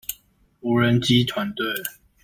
無人機團隊